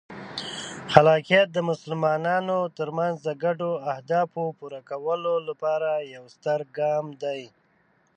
خلافت د مسلمانانو ترمنځ د ګډو اهدافو پوره کولو لپاره یو ستر ګام دی.